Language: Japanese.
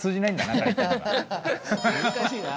難しいな。